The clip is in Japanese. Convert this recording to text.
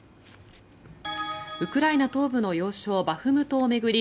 ウクライナ東部の要衝バフムトを巡り